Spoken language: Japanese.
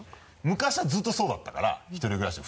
昔はずっとそうだったから１人暮らしで。